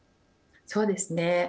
そうですね。